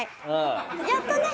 やっとね。